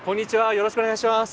よろしくお願いします。